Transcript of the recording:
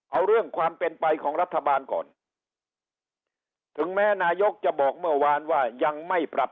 เอาเรื่องความเป็นไปของรัฐบาลก่อนถึงแม้นายกจะบอกเมื่อวานว่ายังไม่ปรับ